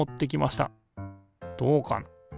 どうかな？